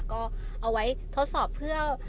ก็เอาไว้ทดสอบเพื่อ